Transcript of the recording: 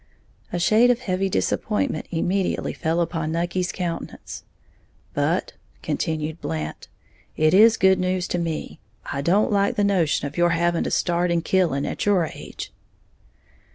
A shade of heavy disappointment immediately fell upon Nucky's countenance. "But," continued Blant, "it is good news to me, I don't like the notion of your having to start in killing at your age."